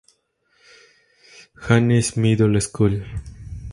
Anne's Middle School".